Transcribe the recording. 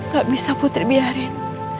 gak bisa putri biarin